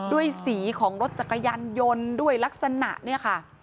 สีของรถจักรยานยนต์ด้วยลักษณะเนี่ยค่ะ